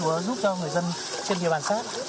và giúp cho người dân trên địa bàn sát